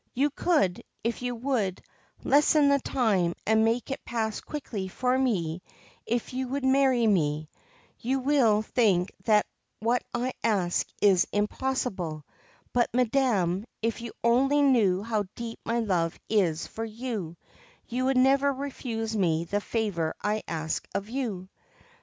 You could, if you would, lessen the time and make it pass quickly for me if you would marry me ; you will think that what I ask is impossible ; but, madam, if you only knew how deep my love is for you, you would never refuse me the favour I ask of you.'